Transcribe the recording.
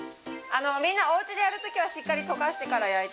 みんなおうちでやるときはしっかり溶かしてから焼いてください。